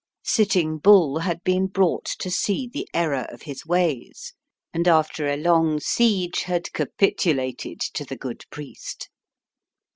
Sitting Bull had been brought to see the error of his ways, and after a long siege had capitulated to the good priest.